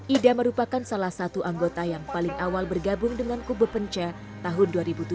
ida merupakan salah satu anggota yang paling awal bergabung dengan kubu penca tahun dua ribu tujuh